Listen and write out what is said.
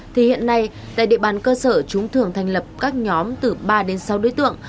thì hiện nay tại địa bàn cơ sở chúng thường thành lập các nhóm từ ba đến sáu đối tượng